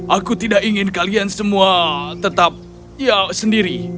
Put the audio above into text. aku tidak ingin kalian semua tetap ya sendiri